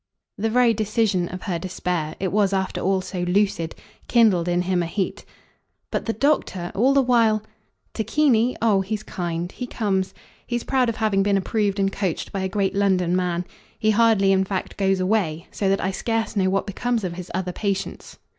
The very decision of her despair it was after all so lucid kindled in him a heat. "But the doctor, all the while ?" "Tacchini? Oh he's kind. He comes. He's proud of having been approved and coached by a great London man. He hardly in fact goes away; so that I scarce know what becomes of his other patients.